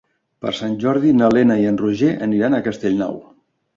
Per Sant Jordi na Lena i en Roger aniran a Castellnou.